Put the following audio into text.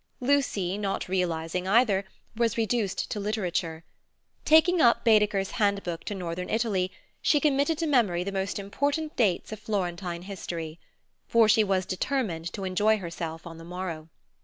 Lucy, not realizing either, was reduced to literature. Taking up Baedeker's Handbook to Northern Italy, she committed to memory the most important dates of Florentine History. For she was determined to enjoy herself on the morrow.